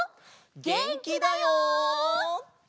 げんきだよ！